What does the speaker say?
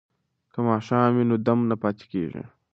که ماښام وي نو دم نه پاتې کیږي.